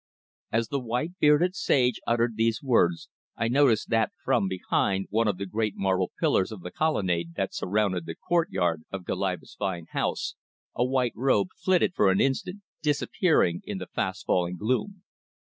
As the white bearded sage uttered these words, I noticed that from behind one of the great marble pillars of the colonnade that surrounded the courtyard of Goliba's fine house a white robe flitted for an instant, disappearing in the fast falling gloom.